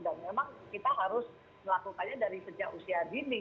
dan memang kita harus melakukannya dari sejak usia dini